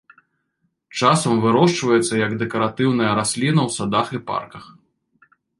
Часам вырошчваецца як дэкаратыўная расліна ў садах і парках.